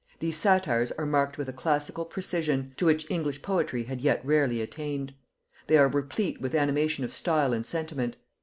"These satires are marked with a classical precision, to which English poetry had yet rarely attained. They are replete with animation of style and sentiment.